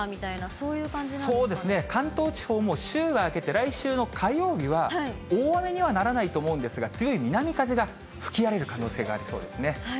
そうですね、関東地方も週が明けて、来週の火曜日は、大雨にはならないと思うんですが、強い南風が吹き荒れる可能性がありそうですね。